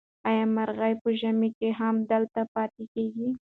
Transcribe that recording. آیا مرغۍ په ژمي کې هم دلته پاتې کېږي؟